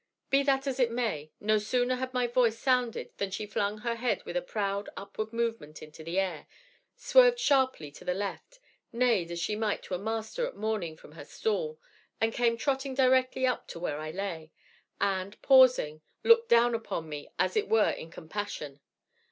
Be that as it may, no sooner had my voice sounded than she flung her head with a proud upward movement into the air, swerved sharply to the left, neighed as she might to a master at morning from her stall, and came trotting directly up to where I lay, and, pausing, looked down upon me as it were in compassion.